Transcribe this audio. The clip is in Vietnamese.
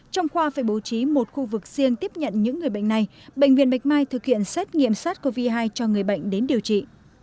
trong khoa phải bố trí một khu vực riêng tiếp nhận những người bệnh này bệnh viện bạch mai thực hiện xét nghiệm sars cov hai cho người bệnh đến điều trị